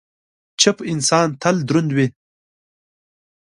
چپ انسان، تل دروند وي.